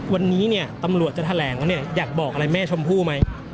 วันนี้เนี่ยตำรวจจะแถลงเนี่ยอยากบอกอะไรแม่ชมพู่ไหม